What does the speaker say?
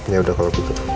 yaudah kalau gitu